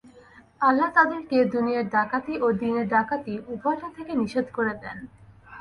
আল্লাহ্ তাদেরকে দুনিয়ার ডাকাতি ও দীনের ডাকাতি উভয়টা থেকে নিষেধ করে দেন।